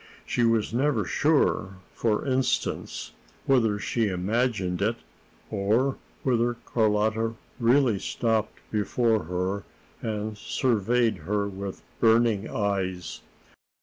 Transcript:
She was never sure, for instance, whether she imagined it, or whether Carlotta really stopped before her and surveyed her with burning eyes.